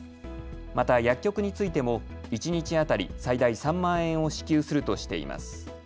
また薬局についても一日当たり最大３万円を支給するとしています。